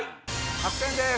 ８点です。